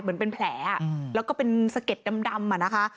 เหมือนเป็นแผลแล้วก็เป็นสะเก็ดดำอ่ะนะคะ